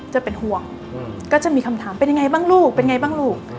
จะเป็นห่วงก็จะมีคำถามเป็นยังไงบ้างลูก